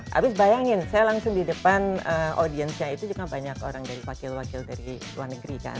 habis bayangin saya langsung di depan audiensnya itu juga banyak orang dari wakil wakil dari luar negeri kan